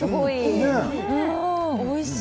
おいしい。